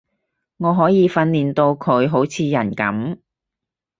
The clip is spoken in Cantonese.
我可以訓練到佢好似人噉